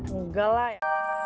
enggak lah ya